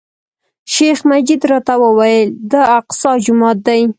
شیخ مجید راته وویل، دا الاقصی جومات دی.